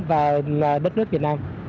và đất nước việt nam